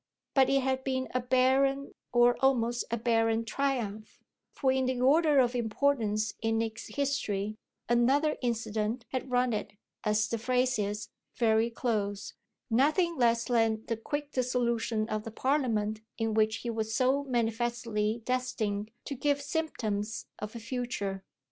But it had been a barren, or almost a barren triumph, for in the order of importance in Nick's history another incident had run it, as the phrase is, very close: nothing less than the quick dissolution of the Parliament in which he was so manifestly destined to give symptoms of a future.